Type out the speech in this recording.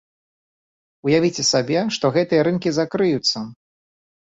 Уявіце сабе, што гэтыя рынкі закрыюцца!